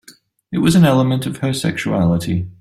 It was an element of her sexuality.